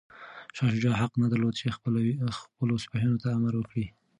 شاه شجاع حق نه درلود چي خپلو سپایانو ته امر وکړي.